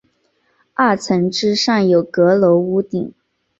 二层之上有阁楼屋顶。